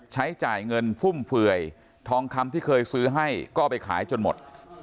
ใช้จ่ายเงินฟุ่มเฟื่อยทองคำที่เคยซื้อให้ก็เอาไปขายจนหมด